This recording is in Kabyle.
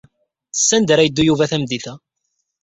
Sanda ara yeddu Yuba tameddit-a?